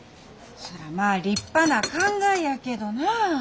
そらまあ立派な考えやけどな。